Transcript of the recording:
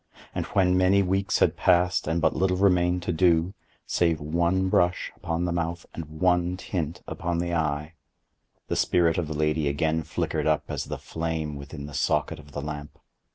And when many weeks had passed, and but little remained to do, save one brush upon the mouth and one tint upon the eye, the spirit of the lady again flickered up as the flame within the socket of the lamp.